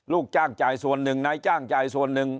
ลูกจ้างจ่ายส่วนหนึ่งนายจ้างจ่ายส่วนหนึ่ง